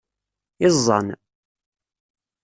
Iẓẓan.